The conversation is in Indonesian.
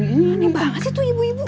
aneh banget sih tuh ibu ibu